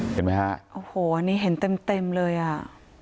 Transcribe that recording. เห็นไหมครับโอ้โหอันนี้เห็นเต็มเลยอะ